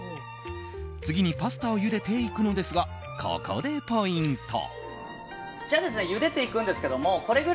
次にパスタをゆでていくのですがここでポイント。